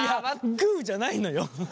グーじゃないのよ。